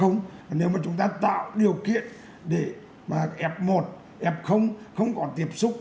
nếu mà chúng ta tạo điều kiện để mà f một f không có tiếp xúc